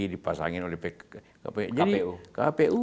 dipasangin oleh kpu